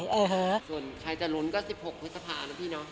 ส่วนใครจะหลุนก็๑๖พฤษภาแล้วพี่น้อง